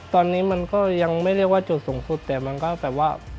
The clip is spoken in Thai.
ตอนนี้มันก็ยังไม่เรียกว่าจุดสูงสุดแต่มันก็แบบว่า